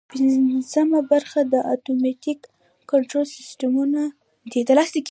پنځمه برخه د اتوماتیک کنټرول سیسټمونه دي.